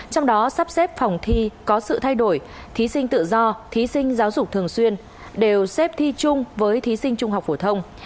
trong đó sắp xếp phòng thi có sự thay đổi thí sinh tự do thí sinh giáo dục thường xuyên đều xếp thi chung với thí sinh trung học phổ thông